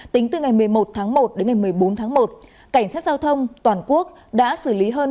tính từ ngày một mươi một tháng một đến ngày một mươi bốn tháng một cảnh sát giao thông toàn quốc đã xử lý hơn